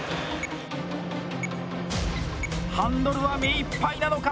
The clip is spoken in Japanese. ハンドルは、目いっぱいなのか。